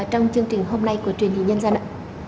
trong chương trình hôm nay của truyền hình nhân dân ạ